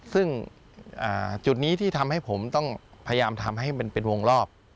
ซึ่งจุดนี้ที่ทำให้ผมต้องพยายามทำให้มันเป็นวงรอบ